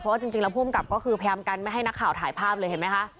เพราะว่าจริงแล้วภูมิกับก็คือพยายามกันไม่ให้นักข่าวถ่ายภาพเลยเห็นไหมคะ